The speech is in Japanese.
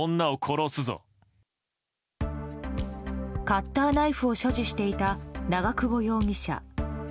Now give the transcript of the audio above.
カッターナイフを所持していた長久容疑者。